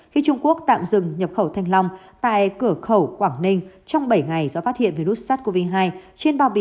khi trung quốc tạm dừng nhập khẩu thanh long tại cửa khẩu quảng ninh trong bảy ngày do phát hiện